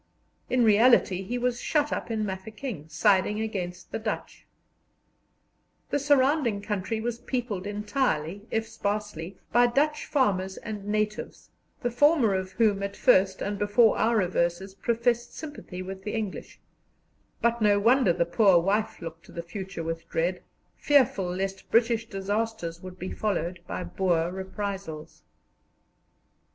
In reality he was shut up in Mafeking, siding against the Dutch. The surrounding country was peopled entirely, if sparsely, by Dutch farmers and natives, the former of whom at first and before our reverses professed sympathy with the English; but no wonder the poor wife looked to the future with dread, fearful lest British disasters would be followed by Boer reprisals.